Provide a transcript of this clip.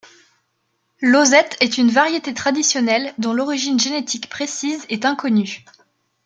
L'Ozette est une variété traditionnelle dont l'origine génétique précise est inconnue.